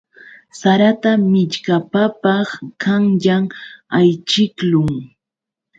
Sarata millkapapaq qanyan ayćhiqlun.